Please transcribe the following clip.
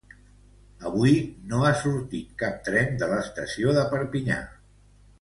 Avui no ha sortit cap tren de l’estació de Perpinyà.